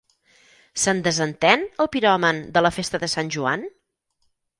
¿Se'n desentén, el piròman, de la festa de Sant Joan?